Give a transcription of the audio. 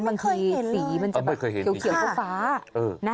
บางทีสีมันจะแบบเขียวฟ้า